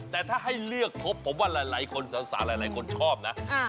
แต่ถ้าให้เลือกพบผมว่าหลายคนสาวชอบนะ